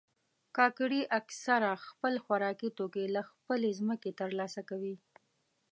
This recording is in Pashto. کاکړي اکثره خپل خوراکي توکي له خپلې ځمکې ترلاسه کوي.